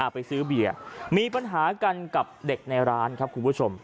ไปซื้อเบียร์มีปัญหากันกับเด็กในร้านครับคุณผู้ชม